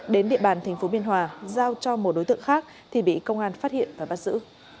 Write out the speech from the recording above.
đến địa bàn tp biên hòa giao cho một đối tượng khác thì bị công an phát hiện và bắt giữ